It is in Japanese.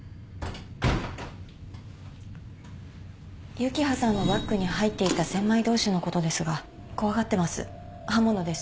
幸葉さんのバッグに入っていた千枚通しのことですが怖がってます刃物ですし。